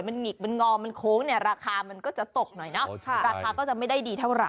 มันหิกมันงอมันโค้งเนี่ยราคามันก็จะตกหน่อยเนาะราคาก็จะไม่ได้ดีเท่าไห